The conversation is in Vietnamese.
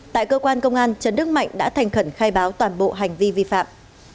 tại cơ quan công an trần đức mạnh đã thành khẩn khai báo toàn bộ hành vi vi phạm